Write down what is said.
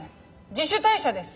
自主退社です。